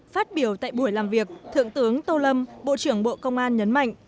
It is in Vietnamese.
phát biểu tại buổi làm việc thượng tướng tô lâm bộ trưởng bộ công an nhấn mạnh